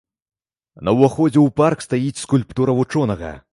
На ўваходзе ў парк стаіць скульптура вучонага.